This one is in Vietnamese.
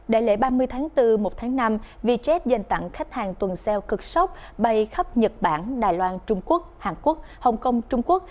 đại lễ ba mươi tháng bốn một tháng năm vietjet dành tặng khách hàng tuần xeo cực sốc bay khắp nhật bản đài loan trung quốc hàn quốc hồng kông trung quốc